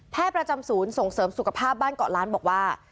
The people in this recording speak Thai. ประจำศูนย์ส่งเสริมสุขภาพบ้านเกาะล้านบอกว่า